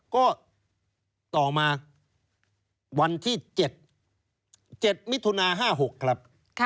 ก็ต่อมาวันที่๗มิถุนา๕๖ครับ